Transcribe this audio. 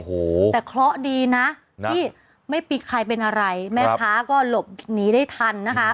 โอ้โหแต่เคราะห์ดีนะที่ไม่มีใครเป็นอะไรแม่ค้าก็หลบหนีได้ทันนะคะ